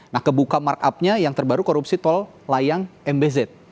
nah kebuka markupnya yang terbaru korupsi tol layang mbz